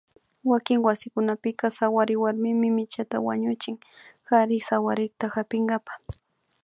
Wakin wasikunapika sawary warmimi michata wañuchin kari sawarikta hapinkapa